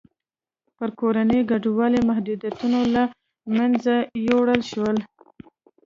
پر کورنۍ کډوالۍ محدودیتونه له منځه یووړل شول.